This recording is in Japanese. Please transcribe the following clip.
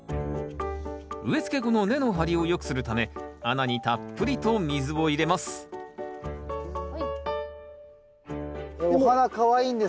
植えつけ後の根の張りをよくするため穴にたっぷりと水を入れますお花かわいいんですけど。